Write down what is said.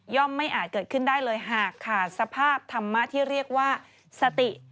ไม่อาจเกิดขึ้นได้เลยหากขาดสภาพธรรมะที่เรียกว่าสติ